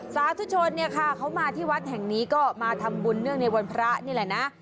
สาธุชนเนี่ยค่ะเขามาที่วัดแห่งนี้ก็มาทำบุญเนื่องในวันพระนี่แหละนะ